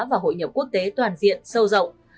và hội nhập quốc tế toàn diện sâu rộng